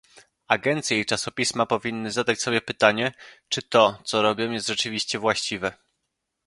Agencje i czasopisma powinny zadać sobie pytanie, czy to, co robią jest rzeczywiście właściwe